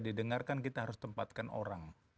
didengarkan kita harus tempatkan orang